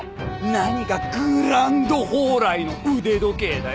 何がグランドホーライの腕時計だよ。